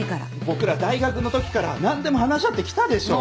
僕ら大学の時から何でも話し合って来たでしょ！